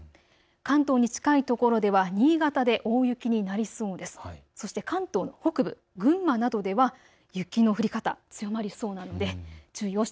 関東に近いところでは新潟で大雪になりそうです。